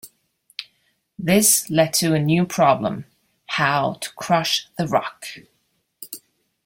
This led to a new problem: how to crush the rock.